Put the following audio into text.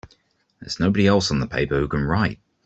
There's nobody else on the paper who can write!